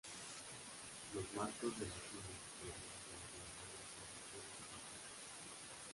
Los marcos de la fila superior de las ventanas son de estilo rococó.